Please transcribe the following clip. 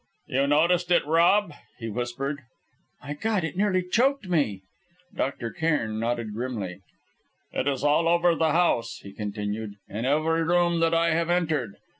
"You noticed it, Rob?" he whispered. "My God! it nearly choked me!" Dr. Cairn nodded grimly. "It is all over the house," he continued, "in every room that I have entered.